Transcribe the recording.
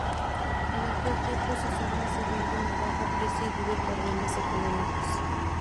En aquel tiempo sus obras se venden a bajo precio y vive problemas económicos.